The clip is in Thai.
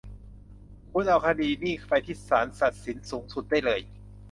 คุณเอาคดีนี่เข้าไปที่ศาลตัดสินสูงสุดได้เลย